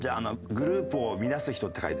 「グループを乱す人」って書いて。